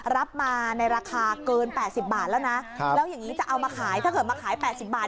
รับมาในราคาเกิน๘๐บาทแล้วนะแล้วอย่างนี้จะเอามาขายถ้าเกิดมาขาย๘๐บาท